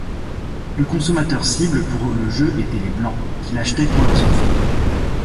Le consommateur cible pour le jeu était les Blancs, qui l'achetaient pour leurs enfants.